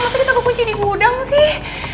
kita kok kunci di gudang sih